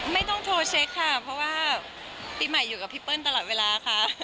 ไม่ต้องโทรเช็คค่ะเพราะว่าปีใหม่อยู่กับพี่เปิ้ลตลอดเวลาค่ะ